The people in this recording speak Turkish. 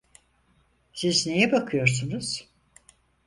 Siz neye bakıyorsunuz?